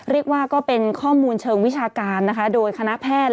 เรียกว่าก็เป็นข้อมูลเชิงวิชาการโดยคณะแพทย์